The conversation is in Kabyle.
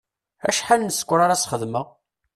Acḥal n ssker ara as-xedmeɣ?